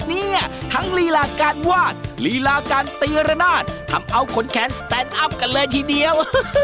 เนี่ยทั้งลีลาการวาดลีลาการตีระนาดทำเอาขนแขนสแตนอัพกันเลยทีเดียว